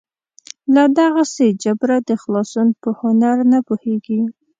له دغسې جبره د خلاصون په هنر نه پوهېږي.